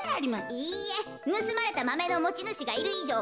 いいえぬすまれたマメのもちぬしがいるいじょう